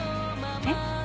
えっ？